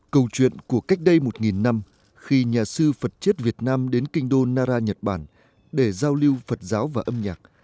câu chuyện của cách đây một năm khi nhà sư phật chết việt nam đến kinh đô nara nhật bản để giao lưu phật giáo và âm nhạc